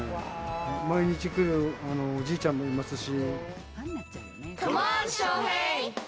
毎日来るおじいちゃんもいますし。